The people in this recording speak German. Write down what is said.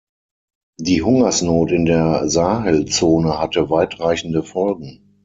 Die Hungersnot in der Sahelzone hatte weitreichende Folgen.